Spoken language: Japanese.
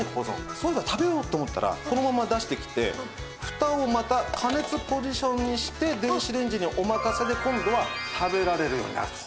「そういえば食べよう」と思ったらこのまま出してきて蓋をまた加熱ポジションにして電子レンジにお任せで今度は食べられるようになると。